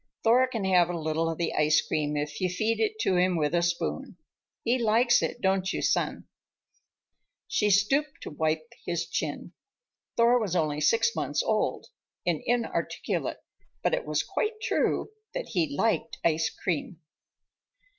Thor can have a little of the ice cream if you feed it to him with a spoon. He likes it, don't you, son?" She stooped to wipe his chin. Thor was only six months old and inarticulate, but it was quite true that he liked ice cream.